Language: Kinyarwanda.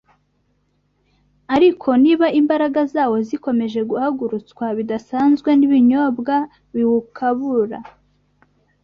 Ariko niba imbaraga zawo zikomeje guhagurutswa bidasanzwe n’ibinyobwa biwukabura